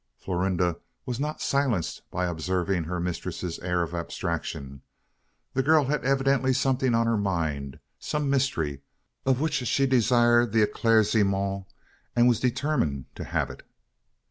Florinda was not silenced by observing her mistress's air of abstraction. The girl had evidently something on her mind some mystery, of which she desired the eclaircissement and was determined to have it.